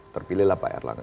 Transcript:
terpilih pak herlangga